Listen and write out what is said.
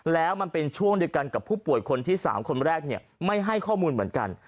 แล้วมันเป็นช่วงเดียวกันกับผู้ป่วยคนที่๓คนแรกไม่ให้ข้อมูลเหมือนกัน